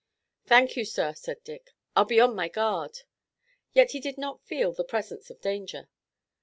"Thank you, sir," said Dick, "I'll be on my guard." Yet he did not feel the presence of danger.